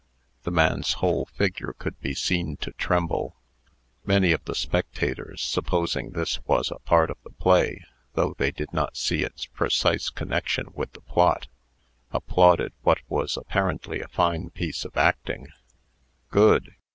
The man's whole figure could be seen to tremble. Many of the spectators, supposing this was a part of the play though they did not see its precise connection with the plot applauded what was apparently a fine piece of acting. "Good!"